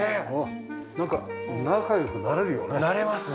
なんか仲良くなれるよね。